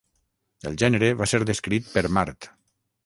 El gènere va ser descrit per Mart.